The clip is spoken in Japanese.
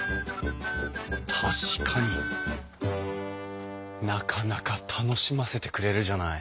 確かになかなか楽しませてくれるじゃない。